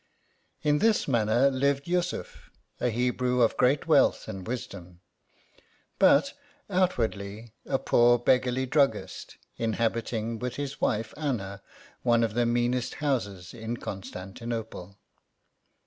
In this manner lived Yussuf, a Hebrew of great wealth and wisdom, but, outwardly, a poor beggarly druggist, inhabiting, with his wife, Annn, one of the meanest houses in Constantinople.